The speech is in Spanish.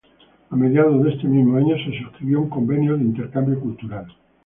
A mediados de ese mismo año, se suscribió un convenio de intercambio cultural.